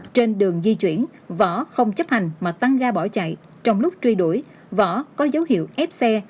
trên đường di chuyển võ không chấp hành mà tăng ga bỏ chạy trong lúc truy đuổi võ có dấu hiệu ép xe